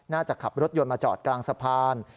ขับรถยนต์มาจอดกลางสะพาน